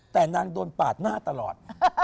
แต่นางโดนปาดหน้าตลอด